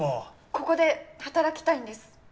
ここで働きたいんです。